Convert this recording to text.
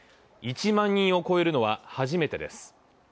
１万人を超えるのは初めてです。